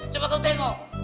coba kau tengok